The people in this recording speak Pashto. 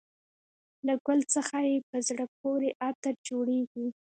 له ګل څخه یې په زړه پورې عطر جوړېږي.